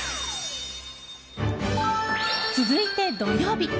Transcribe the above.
続いて、土曜日。